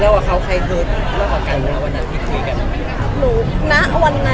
แล้วกับเขาใครคือแล้วกับกันแล้ววันนั้นพี่คุยกันอย่างไร